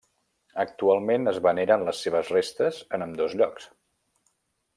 Actualment, es veneren les seves restes en ambdós llocs.